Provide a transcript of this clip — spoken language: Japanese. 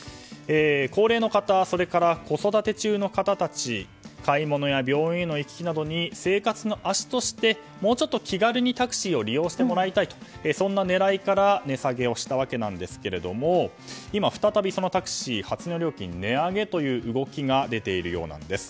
高齢の方、子育て中の方たち買い物や病院への行き来などに生活の足としてもうちょっと気軽にタクシーを利用してもらいたいとそんな狙いから値下げをしたわけですが今、再びそのタクシーの初乗り料金の値上げという動きが出ているようです。